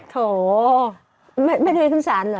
โถไม่ได้คุ้มสารเหรอ